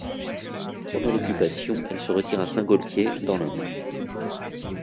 Pendant l’Occupation, elle se retire à Saint-Gaultier, dans l’Indre.